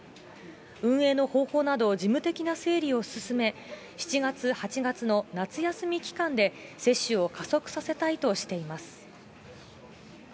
運営の方法など事務的な整理を進め、７月、８月の夏休み期間で接種を加速させたいとしています。